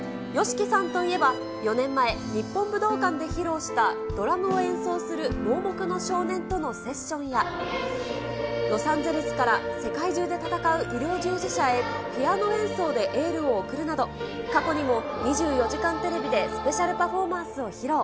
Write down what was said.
ＹＯＳＨＩＫＩさんといえば、４年前、日本武道館で披露した、ドラムを演奏する盲目の少年とのセッションや、ロサンゼルスから、世界中で戦う医療従事者へ、ピアノ演奏でエールを送るなど、過去にも２４時間テレビでスペシャルパフォーマンスを披露。